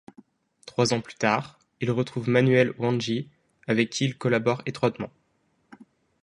Trois ans plus tard, il retrouve Manuel Wandji, avec qui il collabore étroitement.